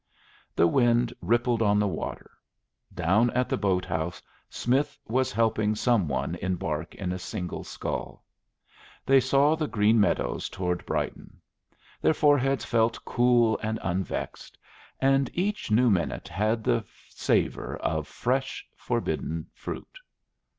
The wind rippled on the water; down at the boat house Smith was helping some one embark in a single scull; they saw the green meadows toward Brighton; their foreheads felt cool and unvexed, and each new minute had the savor of fresh forbidden fruit.